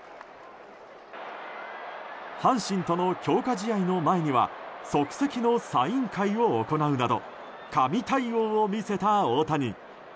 阪神との強化試合の前には即席のサイン会を行うなど神対応を見せた大谷。